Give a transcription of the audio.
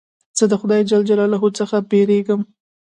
زه د خدای جل جلاله څخه بېرېږم.